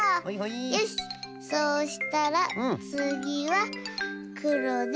よしそうしたらつぎはくろで。